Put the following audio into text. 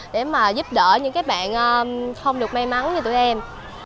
để mà giúp đỡ những bạn không được may mắn như tụi em